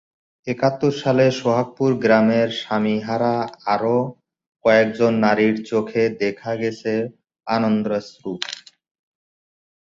একাত্তর সালে সোহাগপুর গ্রামের স্বামীহারা আরও কয়েকজন নারীর চোখে দেখা গেছে আনন্দাশ্রু।